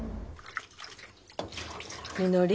みのり。